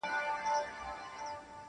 • درد لا هم هماغسې پاتې دی..